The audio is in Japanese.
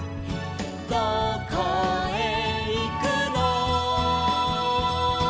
「どこへいくの」